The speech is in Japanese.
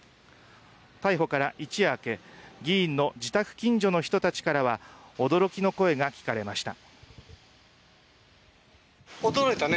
逮捕から一夜明け議員の自宅近所の人たちからは驚きの声が聞かれました。